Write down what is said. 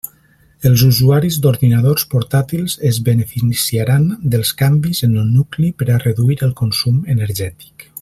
Els usuaris d'ordinadors portàtils es beneficiaran dels canvis en el nucli per a reduir el consum energètic.